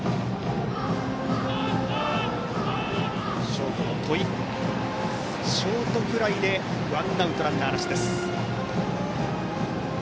ショート戸井、ショートフライでワンアウト、ランナーなしです。